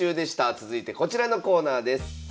続いてこちらのコーナーです。